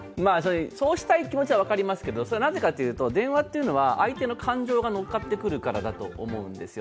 そうしたい気持ちは分かりますけど、なぜかというと電話というのは相手の感情がのっかってくるからだと思うんですよ。